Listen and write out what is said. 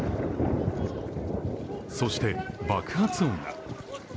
そして爆発音が。